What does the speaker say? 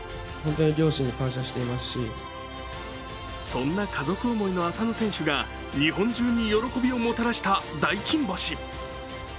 そんな家族思いの浅野選手が日本中に喜びをもたらした大金星。